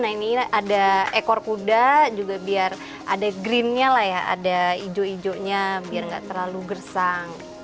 nah ini ada ekor kuda juga biar ada greennya lah ya ada hijau hijaunya biar nggak terlalu gersang